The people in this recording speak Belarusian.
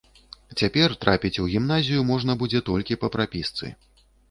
Цяпер трапіць у гімназію можна будзе толькі па прапісцы.